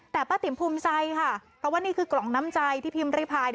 แต่ป้าติ๋มภูมิใจค่ะเพราะว่านี่คือกล่องน้ำใจที่พิมพ์ริพาย